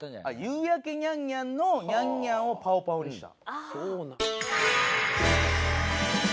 『夕やけニャンニャン』の「ニャンニャン」を「パオパオ」にした？